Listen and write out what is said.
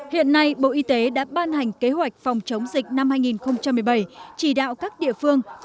hiện nay bộ y tế đã ban hành kế hoạch phòng chống dịch năm hai nghìn một mươi bảy chỉ đạo các địa phương